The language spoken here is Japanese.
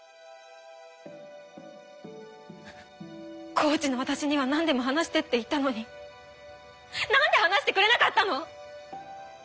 コーチの私にはなんでも話してって言ったのになんで話してくれなかったの！？